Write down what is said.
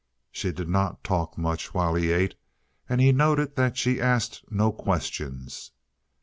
She did not talk much while he ate, and he noted that she asked no questions.